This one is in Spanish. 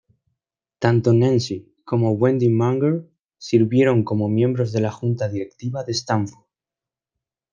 Tanto Nancy como Wendy Munger sirvieron como miembros del la junta directiva de Stanford.